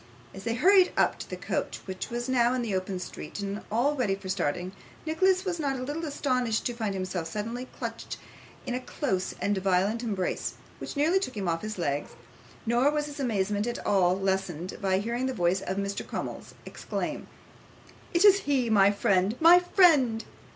As they hurried up to the coach, which was now in the open street and all ready for starting, Nicholas was not a little astonished to find himself suddenly clutched in a close and violent embrace, which nearly took him off his legs; nor was his amazement at all lessened by hearing the voice of Mr. Crummles exclaim, 'It is he my friend, my friend!